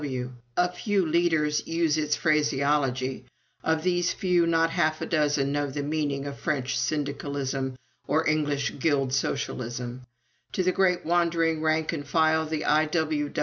W.W. A few leaders use its phraseology. Of these few, not half a dozen know the meaning of French syndicalism or English guild socialism. To the great wandering rank and file, the I.